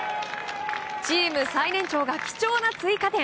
チーム最年長が貴重な追加点。